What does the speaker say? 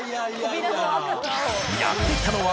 ［やって来たのは］